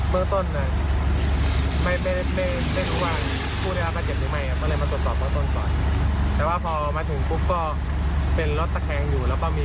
แพงอยู่แล้วก็มีเพิ่มก็ไม่ครับ